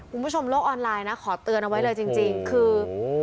โลกออนไลน์นะขอเตือนเอาไว้เลยจริงคือ